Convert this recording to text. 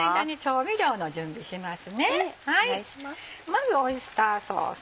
まずオイスターソース。